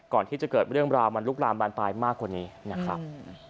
ก่อนที่จะเกิดเรื่องราวมันลุกลามบานปลายมากกว่านี้นะครับ